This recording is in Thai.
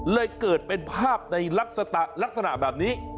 เลยเกิดเป็นภาพในลักษณะแบบนี้